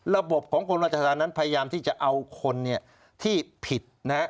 ระบบของกรมราชธรรมนั้นพยายามที่จะเอาคนที่ผิดนะฮะ